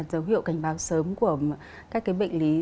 dấu hiệu cảnh báo sớm của các bệnh lý